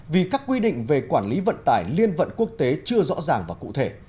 vì các quy định về quản lý vận tải liên vận quốc tế chưa rõ ràng và cụ thể